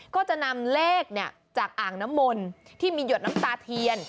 ก็จะนำเลขจากอ่างน้ำมนต์ที่มีหยดน้ำตาเทียน